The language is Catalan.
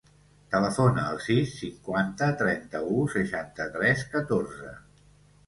Telefona al sis, cinquanta, trenta-u, seixanta-tres, catorze.